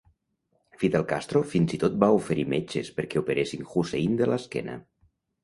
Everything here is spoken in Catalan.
Fidel Castro fins i tot va oferir metges perquè operessin Hussein de l'esquena.